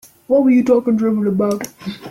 What were you talking drivel about?